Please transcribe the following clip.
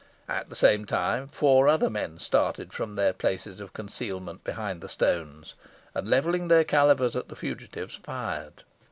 At the same time four other men started from their places of concealment behind the stones, and, levelling their calivers at the fugitives, fired.